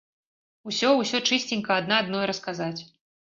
Усё, усё чысценька адна адной расказаць.